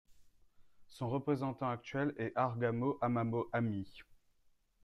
Son représentant actuel est Hargamo Hamamo Hami.